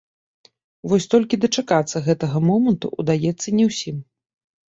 Вось толькі дачакацца гэтага моманту ўдаецца не ўсім.